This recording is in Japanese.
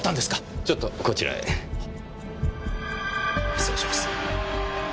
失礼します。